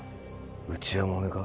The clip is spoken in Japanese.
内輪もめか？